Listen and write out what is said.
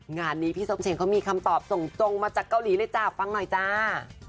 งานนี้พี่ส้มเชงเขามีคำตอบส่งตรงมาจากเกาหลีเลยจ้าฟังหน่อยจ้า